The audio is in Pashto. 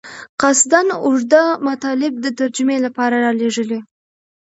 قصداً اوږده مطالب د ترجمې لپاره رالېږل.